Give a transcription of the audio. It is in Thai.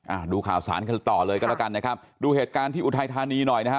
ดูข่าวสารกันต่อเลยก็แล้วกันนะครับดูเหตุการณ์ที่อุทัยธานีหน่อยนะฮะ